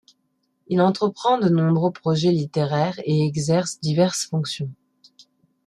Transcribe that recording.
Il entreprend de nombreux projets littéraires et exerce diverses fonctions.